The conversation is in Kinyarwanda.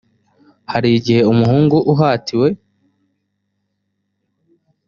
hari igihe umuhungu uhatiwe